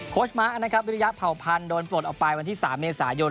ชมะนะครับวิริยะเผ่าพันธ์โดนปลดออกไปวันที่๓เมษายน